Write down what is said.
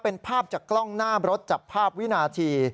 เป็นภาพจากกล้องหน้ารถจับภาพวินาที